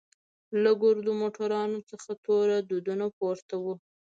له ګردو موټرانوڅخه تور دودونه پورته وو.